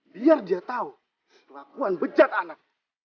biar dia tahu lakuan bejat anak